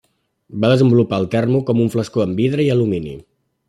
Va desenvolupar el termo com un flascó amb vidre i alumini.